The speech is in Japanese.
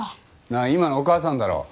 なあ今のお母さんだろ。